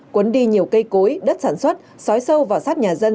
ghi nhiều cây cối đất sản xuất xói sâu vào sát nhà dân